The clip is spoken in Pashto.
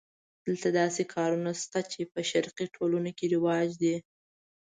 دلته داسې کارونه شته چې په شرقي ټولنو کې رواج دي.